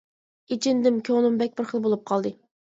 ئېچىندىم، كۆڭلۈم بەك بىر خىل بولۇپ قالدى.